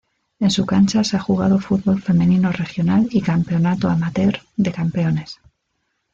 En su cancha se ha jugado Fútbol Femenino Regional y Campeonato "amateur" de Campeones.